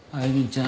歩ちゃん。